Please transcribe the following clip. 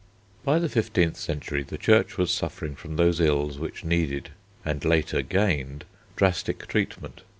By the fifteenth century the Church was suffering from those ills which needed and later gained drastic treatment.